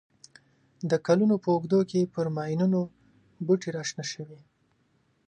د کلونو په اوږدو کې پر ماینونو بوټي را شنه شوي.